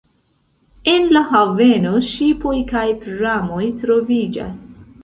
En la haveno ŝipoj kaj pramoj troviĝas.